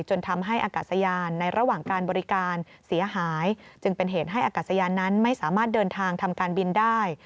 จนทำให้อากาศยานในระหว่างการบริการเสียหายจึงเป็นเหตุให้อากาศยานนั้นไม่สามารถเดินทางทำการบินได้